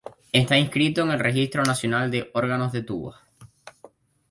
Está inscrito en el Registro Nacional de Órganos de Tubos.